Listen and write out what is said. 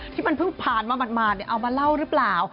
ที่มันเพิ่งผ่านมาหมาดเอามาเล่าหรือเปล่า